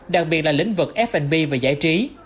đặc biệt là lĩnh vực f b và giải trí